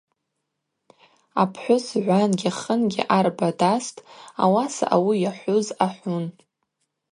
Апхӏвыс гӏвангьи хынгьи арба дастӏ, ауаса ауи йахӏвуз ахӏвун.